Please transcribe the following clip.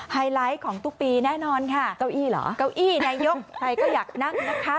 ไฮไลท์ของทุกปีแน่นอนค่ะเก้าอี้เหรอเก้าอี้นายกใครก็อยากนั่งนะคะ